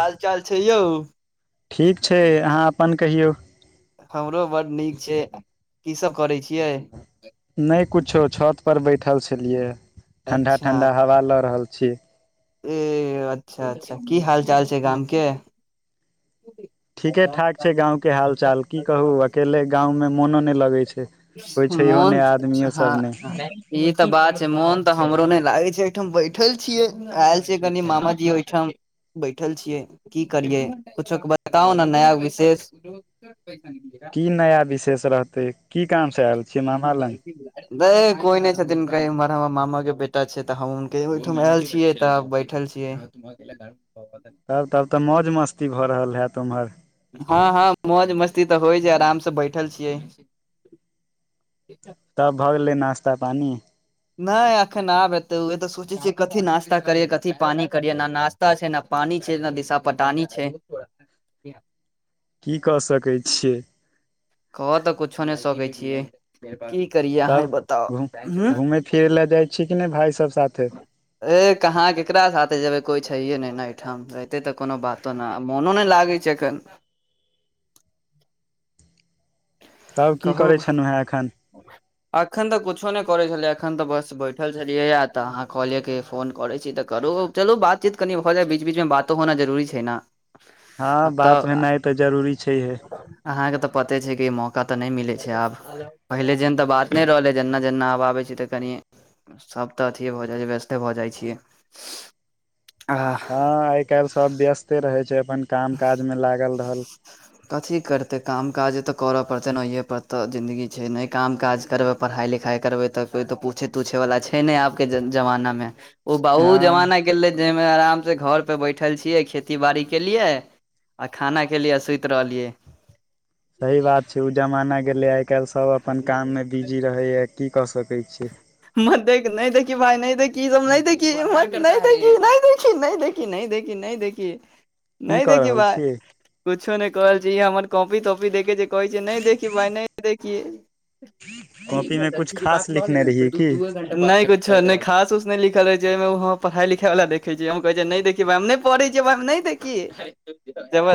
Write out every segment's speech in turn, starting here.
हाल चाल छै यौ ठीक छै अहाँ अपन कहियौ। हमरो बड नीक छै, की सब करै छियै। नहि कुछो छत पर बैठल छलिए, अच्छा ठंडा-ठंडा हवा ल रहल छी। ए अच्छा-अच्छा की हाल चाल छै गाम के ठीके-ठाक छै, गांव के हाल चाल की कहूं, अकेले गाँंव मे मोनो नहि लगै छै। कोइ छैहो नहि मोन आदमियो सब ने हँ-हँ ई तऽ बात छै, मोन तऽ हमरो नहि लागै छै एहिठाम बैठल छियै। ऐल छियै कनी मामाजी ओहिठाम। बैठल छियै, की करियै किछोक बताउ ने नया विशेष [unintelligible] कि नया विशेष रहतै की काम से ऐल [unintelligible] नहि कोई नहि छथिन, कय हमर मामा के बेटा छै तऽ हुनके ओहिठाम ऐल छियै तऽ बैठल छी। [unintelligible] तब तब तऽ मौज मस्ती भऽ रहल हैत ओम्हर। हॉं-हॉं मौज-मस्ती तऽ होइ छै, आराम से बैठल छियै। तब भऽ गेलै नाश्ता पानि। नहि एखन आब हेतै उहें तऽ सोचै छियै, कथी नाश्ता करिय कथी पानी करिय ना नाश त छै ने, पानी छै, न दिशा पटानी छै। की कऽ सकै छियै? कह तऽ कुछो नहि सकैत छियै। की करियए अहय तब बताउ, घूम हूं। घूमय फिरै लए जाइ छी कि नहि भाय सब साथे ए कहाँ, केकरा साथे जेबे, कोई छैये नहि ने ठाम। रहितै तऽ कोनो बातो नहि, मोनो नहि लागै छै एखन। तब की करै छलहु हेँ एखन। एखन तऽ किछो नहि करैत छलै, एखन तऽ बस बैठल छलियैए, तऽ अहाँ कहलियै कि फोन करैत छी, तऽ करू। चलू बातचीत कनि भऽ जाइ, बीच -बीच मे बातो होना जरूरी छै ने। हॉं बात भेनाइ तऽ जरूरी छैहे। अहाँके तऽ पते छै कि मौका तऽ नहि मिलै छै आब। पहिले जेन तऽ बात नहि रहलै, ह जेन्ना- जेन्ना हबा आबै छै तऽ कनि सब तऽ अथिे भऽ जाइ छै, व्यस्ते भऽ जाइ छियै, आ हॉं, आइ काल्हि सभ व्यस्ते रहै छै, अपन काम काजमे लागल रहल। कथी करतै, काम काज तऽ करऽ पड़तै ने, ओए पड़ तऽ जिन्दगी छै, नहि काम काज करबऽ पढ़ाइ लिखाइ करबै तऽ, कोइ तऽ पूछे तूछे वला छै ने, आबके जमानामे। ओ हँ बउ जमा गे जाहिमे आराम से घर पे बैठल छीयै, खेती बाड़ी के लिए, आ खाना के लिए सु त्र रहल लियए। सही बात छै, ओ जमाना गेलै, आइ -काल्हि सभ अपन काममे बिजी रहैए, की कऽ सकै छियै? मत देख, नहि देखी भाइ, नहि देखी सब, नहि म नहि- नहि देख, नहि देखी। नई देखी, नहि देखी, नहि देखि। की नहि कऽ देखी रहल भााय, छियै कुछो नहि कर रहल छी, हमर कॉपी- तॉपी देखे छै। कहै छै, नहि देखी भाय, नहि देखी। कॉपी में कछ खास लिख देख दे न दूए नहि कुछो, खास उस ने लिखल रह छै, ओइमे पढ़ाई- लिखाई वला देखे छी, हम कहे हम नहि पढ़ै छियै, हम नहि देखिय,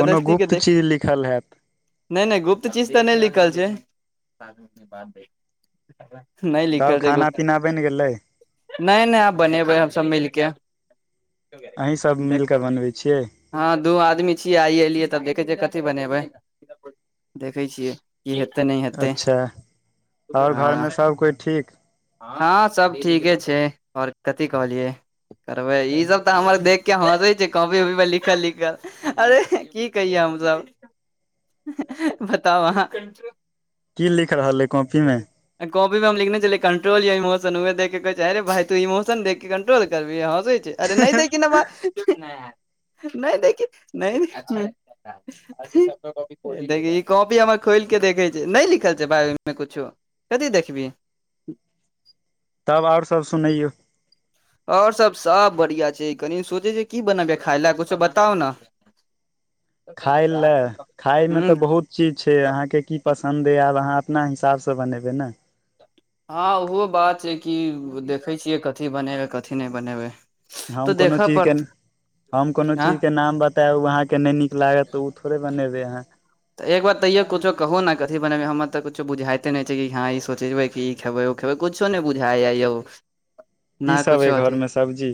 कोनो के गुप्त देख चीज लिखल हैत नहि नहि गुप्त चीज तऽ नहि लिखल छै, [unintelligible] नहि लिखल तब खाना छै, पीना बनि गेलै नहि- नहि आ बनेबै हमस मिलके। अहीं सभ मिल देख कऽ बनबै छियै? हँ, दू आदमी छियै, आइ एलियै तब देखै छियै, कथी बनेबै, देखै छियै। कि हेतै, नहि हेतै, अच्छा हऽ। तऽ ठीक! हँं सब ठीके छै, और कथी कहलियै? रउ बइह, ई सब तऽ हमर देख के हंसे छै, कॉपी -उपी पर लिखल -लिखल। अरे की कहिय, हम सब, बताउ अहाँ? की लिख रहल अइ कॉपीमे ग काँपी पर हम लिने छल, कंट्रोल या इमोशनह, देख के कहै छैे भाय, तू इमोशन देख कंट्रोल करबीही हसै छै। अरे नहि देखी ने भाय, नहि देखी, नहि देख, ई कॉपी हमर खोल के देखे छै, नहि लिखल छै‌ भाय, ओहिमे कुछो। कथी देखबी? तब और सब सुनैयौ। और सब सब बढ़ियाँ छै, कनि सोचे छै, की बनबै खााय लए, कुछो बताउ ने? खााय लए खायमे न तऽ बहुत चीज छै अहाँके की पसन्द अइ आब अहाँ अपना हिसाबसँ बनेबै न। हँ ओहो बात छै कि देखै छियै कथी बनेबै कथी नइ बनेबै। हम तऽ कोनो देखऽ चीज के पड़त हम कोनो आँ चीज के नाम बतायब उ अहाँकेँ नै नीक। लागत तऽ उ थोड़े बनेबै अहाँ। तऽ एक बार तैयो कुछो कहू न कथी बनेबै हमर तऽ कुछो बुझाइते नइ छै कि हँ ई सोचबै कि ई खेबै ओ। खेबै कुछो नै बुझाइया यौ की ना सब अइ कुछो घर अथी। मे सब्जी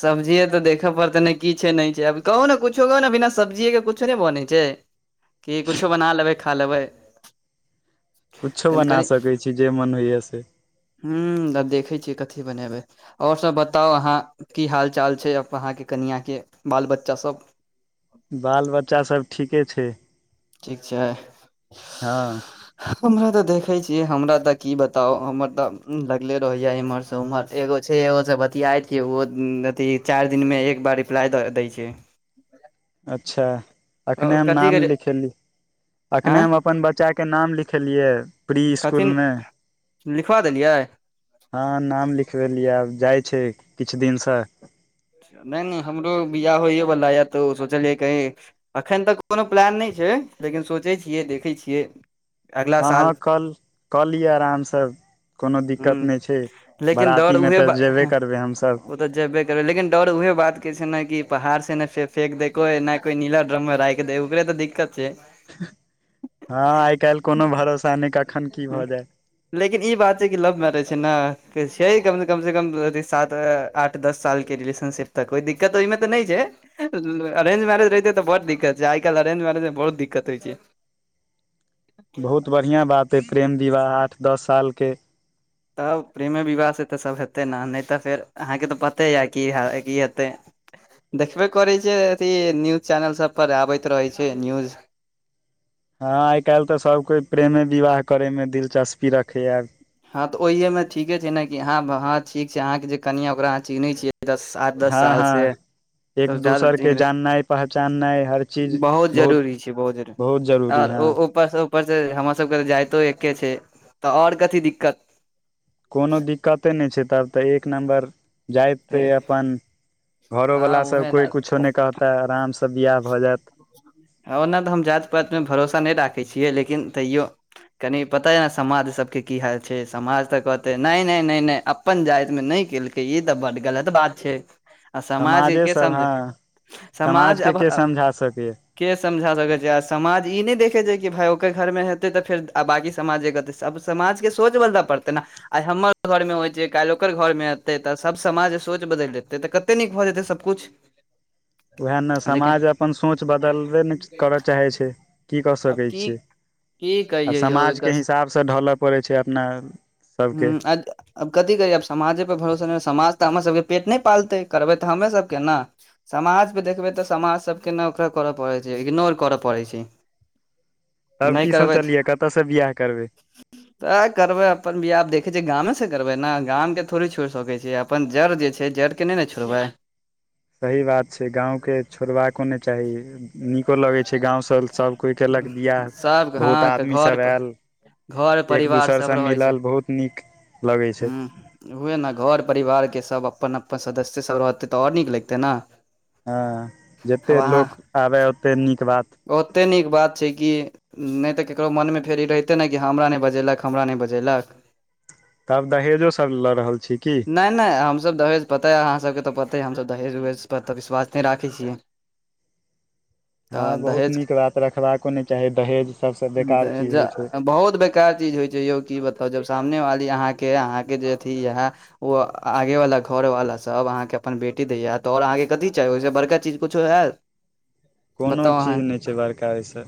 सब्जीेये तऽ देख पड़तै नइ कीछ नइ छै आब कहु न कुछो कहू न बिना सब्जीेय के कुछो नै बनै छै। कि कुछो बना लेबै खा लेबै। कुछो कनि बना सकै छी जे मन होइय से। हूँ त देखै छियै कथी बनेबै। और सभ बताउ अहाँ की हाल चाल छै अप अहाँके कनिआँके बाल बच्चा सब। बाल बच्चा सब ठीके छै। ठीक छै। हँ [unintelligible] हमरा तऽ देखै छियै हमरा तऽ की बताउ हमर तऽ लगले रहैय एम्हरसँ उम्हर। एगो छै एगोसँ बतियाइ छीयै ओहो अथी चारि दिनमे एक बार रिप्लाइ द दै छै। अच्छा अखने हम कथी नाम के लिखेली अखने आँय हम अपन बच्चा। के नाम लिखेलियै। प्री कथीन स्कुलमे लिखबा देलियै। हँ नाम लिखबेलिय आब जाइ छै किछ दिन सँ। नइ नइ हमरो बियाह होइय बाला ये तऽ ओ सोचलियै कहीँ। अखैन तक कोनो प्लान नइ छै लेकिन सोचै छियै देखै छियै। अगला हँ हँ साल कल कऽ लिय अरामसब। कोनो हूँ दिक्कत नइ छै लेकिन बरातीमे तऽ जेबे करबै हमसब। जैबे करबै लेकिन। डर उहे बात के छै न कि पहाड़ से नै फे फेक दै कोइ नै कोइ नीला ड्रममे राखि दै ओकरे तऽ दिक्कत छै। हँ आइ काल्हि कोनो भरोसा नहि कखन की भऽ जाय। लेकिन ई बात छै कि लव मैरेज छै न छै कम से कम से कम अथी सात आठ दस सालके रिलेशन। शिप तक कोइ दिक्कत ओइमे तऽ नै छै। [unintelligible] अरेंज मैरेज रहिते तऽ बड्ड दिक्कत छै आइ काल्हि अरेंज मैरेजमे बहुत दिक्कत होइ छै। बहुत बढ़िआँ बात अइ प्रेम विवाह आठ दस सालके। तब प्रेमे विवाह से तऽ सभ हेतय न नहि तऽ फेर अहाँके तऽ पते या की हा की हेतै। देखबे करै छियै अथी न्यूज चैनल सभ पर आबैत रहैत छै न्यूज। हँ आइ काल्हि तऽ सभ कोइ प्रेमे विवाह करैमे दिलचस्पी रखैए आब। हँ तऽ ओहिमे ठीके छै न कि हँ आब हँ ठीक छै अहाँके जे कनियाँ ओकरा अहाँ चिन्है छीय दस आठ। दस हँ साल से। हँ एक दोसरके [unintelligible] जाननाइ पहचाननाइ हर चीज बहुत बहुत जरूरी छै बहुत जरूरी आर ओ ओ। उपरसँ ऊपरसे हमर सबके तऽ जाइतो एके छै तऽ आओर कथी दिक्कत। कोनो दिक्कते नहि छै तब तऽ एक नम्बर। जाइत हे अइ अपन घरो हँ वला सब उहे ने कोई कुछो नहि कहतै अरामसँ। तब बिआह भऽ जायत। ओना तऽ हम जाति पातिमे भरोसा नहि राखैय छियै लेकिन तैयो। कनि पता अइ न समाज सभके की हाल छै समाज तऽ कहतै नइ -नइ- नइ- नइ अप। अपन जातिमे नहि केलकै ई तऽ बड्ड गलत बात छै। आ समाजे समाजके सब समझै हँ समाज समाजके अबह। के समझा सकैय। के समझा सकै छैय आ समाज ई नै देखै छैय कि भाय ओकर घर मे हेतै तऽ फेर आ बाँकी समाज जे कहतै से- अब समाज के सोच बदलअ पड़तै नऽ? आय हमर घर मे होय छैय कैल्ह ओकर घर मे हेतैय तऽ सब समाजके सोच बदैल जेतैय तऽ कतेक नीक भऽ जेतैय सबकुछ। उएह नऽ लेकिन समाज अपन सोच बदलबे नै करऽ चाहै छैय। की कऽ आब सकै की छियै की आब कहियै यौ समाजके एकर हिसाबसँ ढलय पड़ै छै अपना ओर। हूँ अद- आब कथि कहियै आब समाजे पर भरोसा नै समाज तऽ हमर सबके पेट नै पालतै करबै तऽ हमे सबके नऽ। समाज पे देखबै तऽ समाज सबके ने [unintelligible] करऽ पड़ैत छै इग्नोर करऽ पड़ै छै। तब नहि की करबै तऽ सोचलियै कतऽसँ बियह करबै? तऽ करबै। अपन दियाद देखै छै गामे से करबै नऽ गामके थोड़ी छोड़ सकै छियै अपन जड़ जे छै जड़के नै ने छोड़बै। सही बात छै गाँवके छोड़बाको नै चाही। नीको लगै छै गाँव सँ सब कोय केलक बिआह सब बहुत हँ आदमी सब घर एल। घर एक परिवार दोसरसँ सब रहै छै मिलल बहुत नीक लगै छै। उएह नऽ घर परिवारके सब अपन -अपन सदस्य सब रहतै तऽ और निक लैगतै नऽ? हँ जते लोक आबए ओते नीक बात। ओते नीक बात छै कि। नै तऽ ककरो मोनमे फेर ई तऽ हैतै ने कि हमरा नै बजेलक हमरा नै बजेलक। तब दहेजो सब लऽ रहल छी की? नैय- नैय हम सब दहेज पता या आहाँ सबके तऽ पते हे हम सब दहेज उहेज पर तऽ विश्वास नै राखै छियै। हँ तऽ बहुत दहेज नीक बात रखबाको नै चाही दहेज सबसे बेकार चीज होय छै। बहुत बेक- केए चीज होय छै यौ की बताउ जब सामने वाली आहाँके -आहाँके जे अथि येहे। ओ आगेवला घरवाला सब आहाँके अपन बेटी दैय ये तऽ और आहाँके कथी चाही ओहिसँ बड़का चीज कुछो हेेएत? कोनो चीज नै छै बड़का एहिसँ।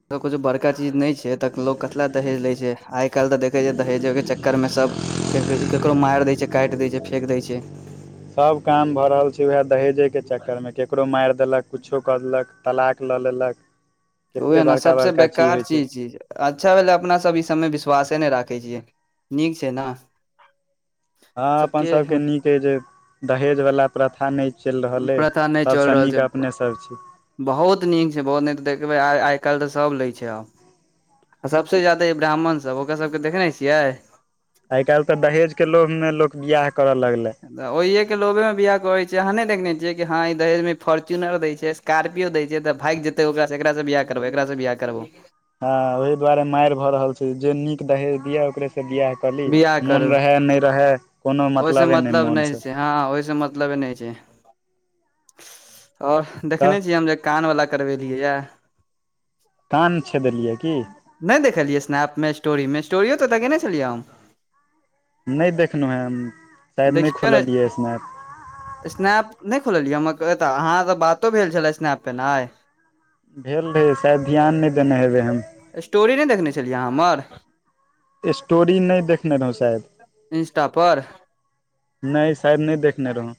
किछो बड़का चीज नै छै तऽ लोक कथिलेए दहेज लै छै आय कैल्ह तऽ देखै छै दहेजे के चक्कर मे सब के ककरो मैर दै छै कैट दै छै फेक दै छै। सब काम भऽ रहल छै उएह दहेजे के चक्कर मे केकरो मैर देलक। कुछो कऽ देलक तलाक लऽ लेलक। उएहे कतेक नऽ बड़का सबसे बड़का बेकार होइ छै चीज चीज। अच्छा भेलै अपना सब ई सबमे विश्वासे नै राखै छि नीक छै नऽ। हँ अपन सबके नीक अइ जे- दहेजवला प्रथा नै चैल रहल अइ प्रथा नहि चलि सबसँ रहल नीक छै अपने सब छी। बहुत नीक छै बहुत नीक देखबै आहाँ आय कैल्ह तऽ सब लै छै आब। आ सबसे ज्यादे ब्राह्मण सब ओकर सबके देखने छियै? आय कैल्ह तऽ दहेज के लोभ में लोग बियाह करऽ लगलेै। ओहिेये के लोभे मे बियाह करै छै आहाँने देखने छियै कि हँं दहेज मे फोर्च्युनर दै छै स कार्पियो दै छै तऽ भैग जेतै ओकरा सँ एकर सँ बियाह करबौ एकरासँ बियाह करबौ। हँ ओहि दुआरे मैर भऽ रहल छै जे नीक दहेज दिये ओकरे से बियाह। कहली बियाह करू मोन रहेए नै रहेए कोनो ओहिसँ मतलबे नै मतलब नहि मोनसँ। छै हँ ओय सँ मतलबे नै छै और तऽ देखने छियै हम जे- कान वला करबेलियै येए। कान छे देलियै की- नै देखलियै स्नप में स्टोरी में स्टोरी यो तऽ लगेने छेलियै हम। नय देखलौहें हम्म। देखियौ ने स्नैप, नय खोललियै हमरऽ [unintelligible] अहाँ स बातो भेल छलै स्नैप पेने आय। भेल रहै शायद ध्यान नय देने हेबै हम। स्टोरी नय देखने छलियै अहाँ हम्मर? स्टोरी नय देखने रहौं शैद इंस्टा पर। नय शैद नय देखने रहौ।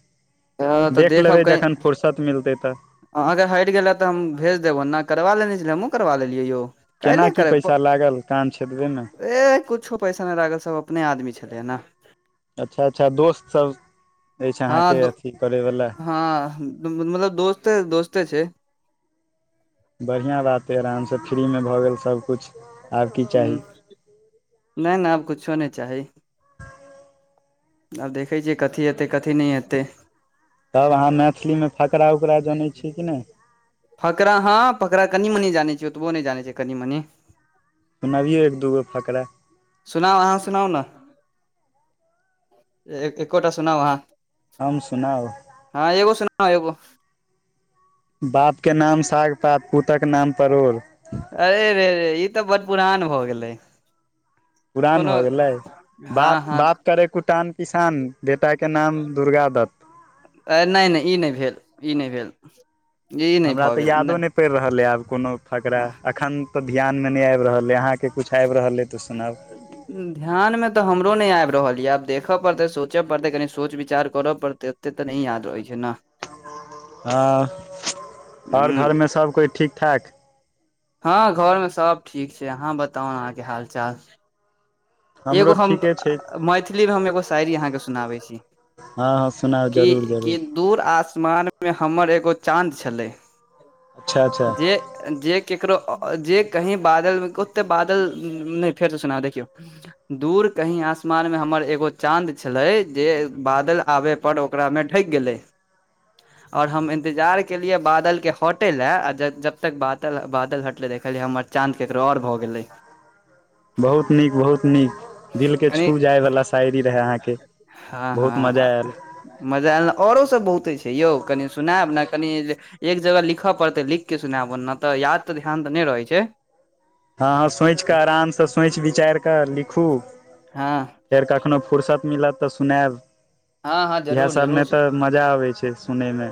तऽ देख लेबै जखन फुरसत मिलतै तऽ अहाँके हैट गेलै तऽ हम, भेज देब ओन्ना। करबा लेने छलियै हमूँ करबा लेलियै यौ। केना काइले की करब, पैसा लागल काम छै देबै ने प [inaudible] एह कुछो पैइसा नय लागत सब अपने आदमी छथिन ने। अच्छा अच्छा दोस्तसभ अइछ, हँ अहाँके दो अथी करयवला? हँ मतलब दोस्ते- दोस्ते छै। बढ़ियां बात अय आराम स फ्री मे भऽ गेल सबकुछ। हुं, नय -नय आब कुछ्छो नय चाही। आब देखै छियै कथी एत्तय कथी नहि एत्तय। तब अहाँ मैथिलीमे फकरा -उकरा जनै छीयै कि नय? फकरा हँ, फकरा कनि मनि जानै छियै, ओतबो नय जानै छियै कनि मनि। सुनबियौ एक- दूगो फकड़ा सुनाउ अहाँ सुनाउ ने ए-एकोटा सुनाउ अहाँ। हम सुनाउ? हँ एगो सुनाउ, एगो बापके नाम साग -पात पूतक के नाम परोड़। अरे रे रे ई तऽ बड्ड पुरान भऽ गेलै। पुरान कोनो भऽ गेलै? हँ बाप हँ -बाप करै कुटान किसान, बेटाके नाम दुर्गा दत्त। अ नय -नय ई नय भेल, इ नय भेल। ई नहि हमरा भऽ तऽ गेल यादो नहि नय पैड़ रहल यै आब कोनो फकरा हँ, एखन तऽ- ध्यानमे नय आइब रहल अइ, अहाँके कुछ आइब रहल अइ तऽ सुनाउ। ध्यानमे तऽ हमरो नय आइब रहल यै, आब देख पड़तै, सोच पड़तै, कनि सोच -विचार कर पड़तै। एत्ते तऽ नय याद रहै छै ने? हँ, और हूँ, घरमे सब कोइ ठीक- ठाक? हँ घर मे सब ठीक छै। अहाँ बताउ अहाँके हाल चाल? एगो हमरो हम- ठीके छै मैथिली मे हम एगो शायरी अहाँके सुनाबय छी। हँ हँ सुनाउ, कि जरूर कि जरूर। दूर आसमान मे हम्मर एगो चांद छलै, अच्छा अच्छा जे जे केकरो -अ-जे कहीं बादल ओत्ते बादल, नय फेर स सुना दय, देखियौ [inaudible] दूर कहीं आसमान में हमर एग्गो चाद छलय, जे बादल आबे पर ओकरा में ढैक गेलय। [inaudible] और हम इन्तजार केलियै बादल के हटय लय आ ज-जबतक बादल, बादल हटलय, देखलियै हमर चाँद केकरो और भऽ गेलै। बहुत नीक, बहुत नीक। दिल के कनि छू जाय वाला शायरी रहै अहाँके हँ बहुत मजा हँ ऐल। मजा ऐलने, औरो सभ बहुते छै यौ, कनि सुनैब ने कनि जे एक जगह लिखऽपड़तै, लिख के सुनैब। ओना तऽ याद तऽ ध्यान तऽ नय रहै छै। हँ हँ सोइच के आराम सँ सोइच विचारि कऽ लिखू। हँ फेर कखनो फुरसत मिलत तऽ सुनेएब हँ हँ इहेए जरूर सबमे जरूर तऽ मजा अबै छै सुनै मे।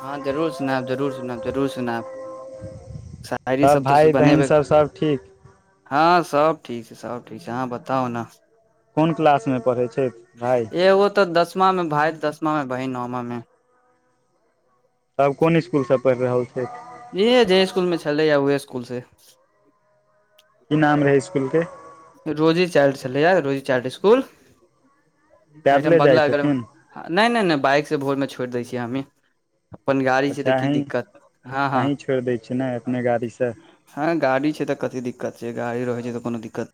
हँ जरूर सुनेएब जरूर सुनेएब जरूर सुनेएब। शायरी तब सब तऽ भाय बहिन सु-बनेबै। सब सब ठीक हँ सब ठीक छै सब ठीक छै अहां बताउ नऽ। कोन क्लास मे पढ़ै छै भाइ। एगो तऽ दस मा मे भाय दसमा मे बहिन नऽमा मे। तब कोन स्कुल सँ पढ़ि रहल छै? जे हे जै स्कुल मे छलै हे उहे स्कुल से। की नाम रहै स्कुल के? रोजी चाइल्ड छलैए रोजी चाइल्ड स्कुल एहिठाम पैदले जाइ बंगलागढ़ छथिन मे नै नै नै बाइक से भोर मे छोड़ि दै छियै हमही। अप्पन गाड़ी छै तऽ अच्छा की अहीं दिक्कत हँ हँ। अहीं छोड़ि दै छियै ने अपने गाड़ी से हँ गाड़ी छै तऽ कथी दिक्कत छै गाड़ी रहै छै तऽ कोनो दिक्कत